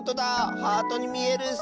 ハートにみえるッス！